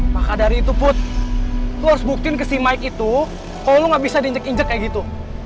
maka dari itu put lo harus buktiin ke si mike itu kok lo gak bisa diinjek injek kayak gitu